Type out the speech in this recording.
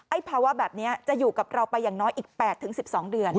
ภาวะแบบนี้จะอยู่กับเราไปอย่างน้อยอีก๘๑๒เดือน